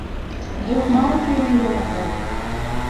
Jok ma otwe winjo matek